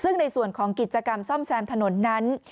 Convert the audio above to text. ซึ่งในส่วนของกิจกรรมซ่อมแซมถนนนั้น